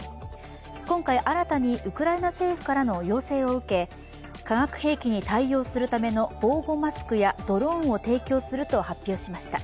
今回新たにウクライナ政府から要請を受け、化学兵器に対応するための防護マスクやドローンを提供すると発表しました。